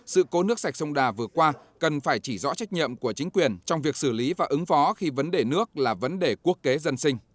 sự cố nước sạch sông đà vừa qua cần phải chỉ rõ trách nhiệm của chính quyền trong việc xử lý và ứng phó khi vấn đề nước là vấn đề quốc kế dân sinh